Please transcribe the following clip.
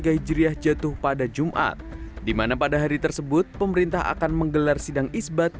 seribu empat ratus empat puluh tiga hijriyah jatuh pada jumat dimana pada hari tersebut pemerintah akan menggelar sidang isbat